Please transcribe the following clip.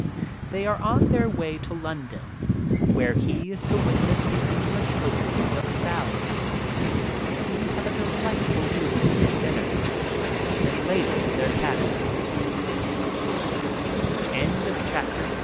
They are on their way to London, where he is to witness the English opening of "Sally." We have a delightful evening at dinner and then later in their c